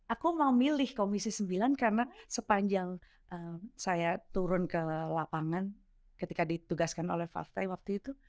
aku mau milih komisi sembilan karena sepanjang saya turun ke lapangan ketika ditugaskan oleh fakta waktu itu